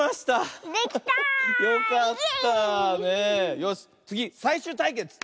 よしつぎさいしゅうたいけつ！